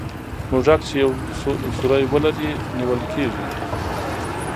موږک چي یو سوری ولري نیول کېږي.